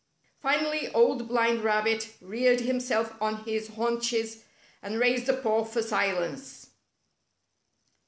Finally Old Blind Rabbit reared himself on his haunches, and raised a paw for silence.